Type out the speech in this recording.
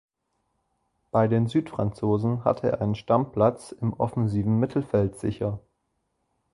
Bei den Südfranzosen hatte er einen Stammplatz im offensiven Mittelfeld sicher.